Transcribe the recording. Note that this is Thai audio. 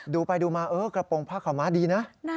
ดูไปดูมาเออกระโปรงผ้าขาวม้าดีนะ